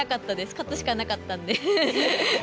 勝つしかなかったんで。